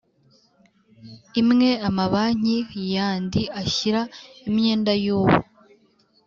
imwe amabanki yandi ashyira imyenda y uwo